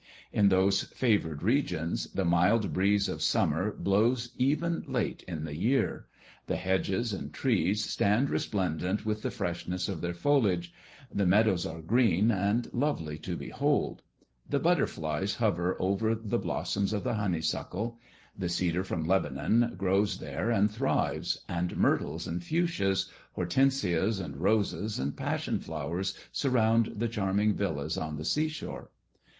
In those favored regions, the mild breeze of summer blows even late in the year; the hedges and trees stand resplendent with the freshness of their foliage; the meadows are green, and lovely to behold; the butterflies hover over the blossoms of the honeysuckle; the cedar from Lebanon grows there and thrives, and myrtles and fuchsias, Hortensias and roses, and passion flowers, surround the charming villas on the sea shore.